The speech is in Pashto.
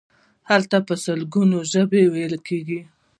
هلته په سلګونو ژبې ویل کیږي.